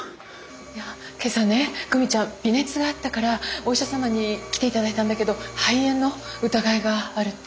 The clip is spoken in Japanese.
いや今朝ね久美ちゃん微熱があったからお医者様に来ていただいたんだけど肺炎の疑いがあるって。